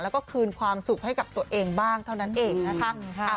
แล้วก็คืนความสุขให้กับตัวเองบ้างเท่านั้นเองนะคะ